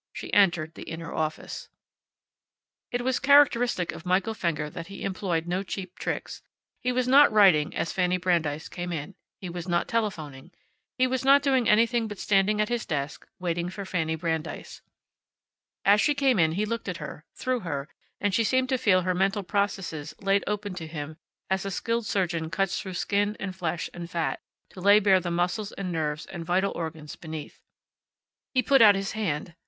She entered the inner office. It was characteristic of Michael Fenger that he employed no cheap tricks. He was not writing as Fanny Brandeis came in. He was not telephoning. He was not doing anything but standing at his desk, waiting for Fanny Brandeis. As she came in he looked at her, through her, and she seemed to feel her mental processes laid open to him as a skilled surgeon cuts through skin and flesh and fat, to lay bare the muscles and nerves and vital organs beneath. He put out his hand.